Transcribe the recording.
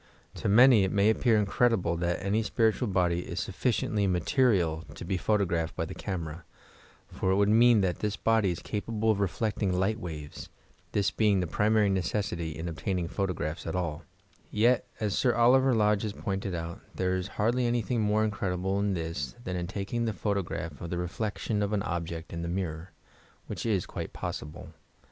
To many it may appear incredible that any qiiritnal body is soffieiently material to be fdiolofnphed by the earners, for it would mean that this body is capable of lefleeting li^t wsTes, this being the primaiy necessity in obtaining photogrsphs at alL Tec as Sr Oliver Lodge has pointed out, there is hardly anything more incredible in this than in taking the photograph of the reflection of an object in the nuiror, whidi is quite posa ble.